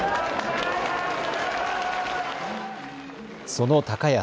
その高安。